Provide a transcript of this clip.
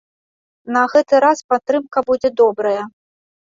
На гэты раз падтрымка будзе добрая.